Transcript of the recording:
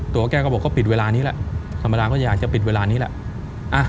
ตัวแกก็บอกก็ปิดเวลานี้แหละธรรมดาก็อยากจะปิดเวลานี้แหละ